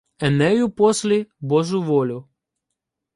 Енею послі божу волю